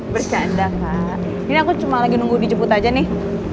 bercanda kak ini aku cuma lagi nunggu dijemput aja nih